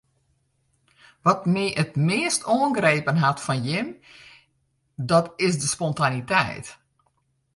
Wat my it meast oangrepen hat fan jimme dat is de spontaniteit.